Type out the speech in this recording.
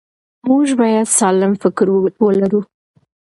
موږ باید سالم فکر ولرو.